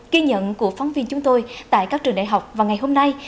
ghi nhận của phóng viên chúng tôi tại các trường đại học vào ngày hôm nay